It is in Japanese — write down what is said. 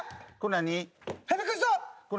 何？